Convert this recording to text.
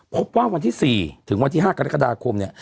พบว่าวันที่๔๕กรกฎาคม